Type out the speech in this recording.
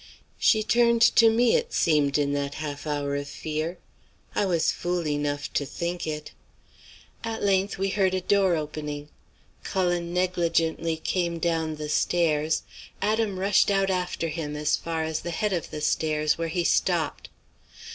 She turned to me, it seemed, in that half hour of fear; I was fool enough to think it. "At length we heard a door opening. Cullen negligently came down the stairs; Adam rushed out after him as far as the head of the stairs, where he stopped.